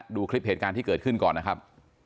ดูคลิปเหตุการณ์ที่เกิดขึ้นก่อนนะครับ